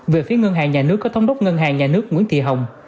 về phía ngân hàng nhà nước có thống đốc ngân hàng nhà nước nguyễn thị hồng